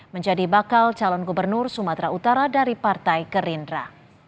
menjadi bakal calon gubernur sumatera utara dari partai gerindra